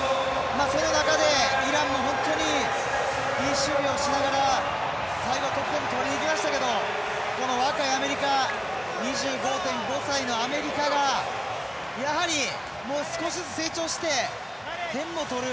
その中で、イランも本当にいい守備をしながら最後、得点取りにいきましたけど若いアメリカ２５．５歳のアメリカがやはり、少しずつ成長して点も取る。